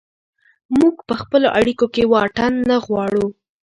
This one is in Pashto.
موږ په خپلو اړیکو کې واټن نه غواړو.